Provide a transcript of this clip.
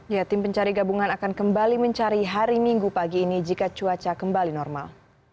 ya tim pencari gabungan akan kembali mencari hari minggu pagi ini jika cuaca kembali normal